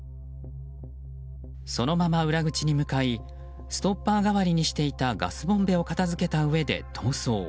そのまま裏口に向かいストッパー代わりにしていたガスボンベを片付けたうえで逃走。